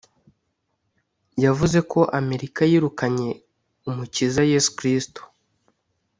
yavuze ko Amerika yirukanye umukiza Yesu Kristo